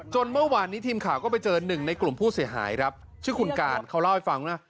เมื่อวานนี้ทีมข่าวก็ไปเจอหนึ่งในกลุ่มผู้เสียหายครับชื่อคุณการเขาเล่าให้ฟังนะ